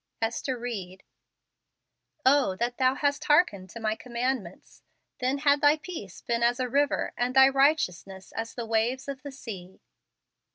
Ester Ried. " O that thou liadst hearkened to my command¬ ments! then had thy peace been as a river , and thy righteousness as the leaves of the sea."